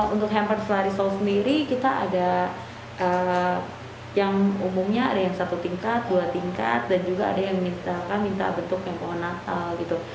untuk hamperslah resource sendiri kita ada yang umumnya ada yang satu tingkat dua tingkat dan juga ada yang minta bentuk yang pohon natal gitu